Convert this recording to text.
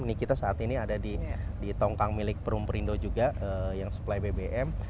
ini kita saat ini ada di tongkang milik perum perindo juga yang suplai bbm